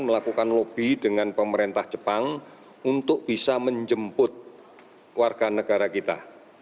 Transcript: melakukan lobby dengan pemerintah jepang untuk bisa menjemput warga negara kita